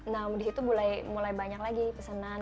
nah di situ mulai banyak lagi pesanan